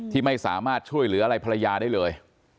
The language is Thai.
ที่ไม่สามารถช่วยเหลืออะไรภรรยาได้เลย